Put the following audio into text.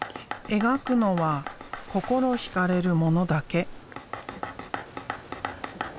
描くのは心惹かれるものだけ。